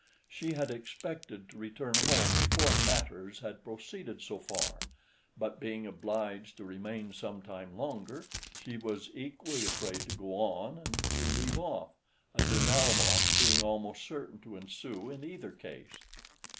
She had expected to return home before matters had proceeded so far, but being obliged to remain some time longer, she was equally afraid to go on and to leave off, a dénouement being almost certain to ensue in either case.